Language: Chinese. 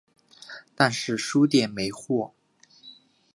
但是书店没货